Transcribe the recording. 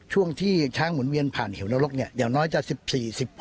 ช่วงที่ช้างหมุนเวียนผ่านเหวนรกเนี่ยอย่างน้อยจะ๑๔๑๖